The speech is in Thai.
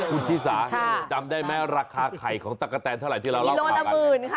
คุณชิสาจำได้ไหมราคาไข่ของตะกะแตนเท่าไหร่ที่เราเล่าข่าวกัน